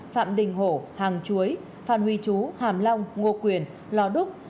phạm đình hổ hàng chuối phan huy chú hàm long ngô quyền lò đúc